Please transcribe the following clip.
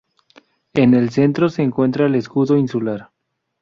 En el centro se encuentra el escudo insular.